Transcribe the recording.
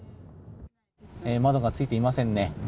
窓がついていませんね。